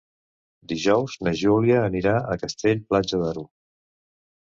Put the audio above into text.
Dijous na Júlia anirà a Castell-Platja d'Aro.